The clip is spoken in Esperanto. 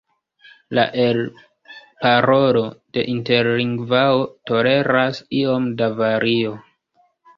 La elparolo de interlingvao toleras iom da vario.